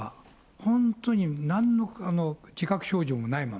本当に、なんの自覚症状もないまま。